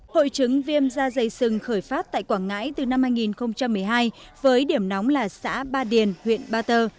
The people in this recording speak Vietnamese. hội chứng viêm da dày sừng khởi phát tại quảng ngãi từ năm hai nghìn một mươi hai với điểm nóng là xã ba điền huyện ba tơ